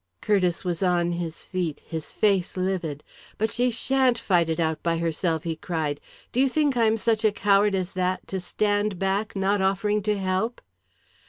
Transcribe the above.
Curtiss was on his feet, his face livid. "But she sha'n't fight it out by herself!" he cried. "Do you think I'm such a coward as that to stand back, not offering to help?"